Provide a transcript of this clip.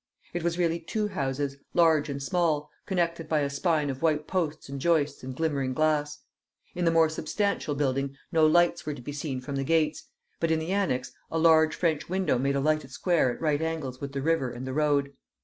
It was really two houses, large and small, connected by a spine of white posts and joists and glimmering glass. In the more substantial building no lights were to be seen from the gates, but in the annex a large French window made a lighted square at right angles with the river and the road.